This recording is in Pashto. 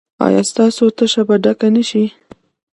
ایا ستاسو تشه به ډکه نه شي؟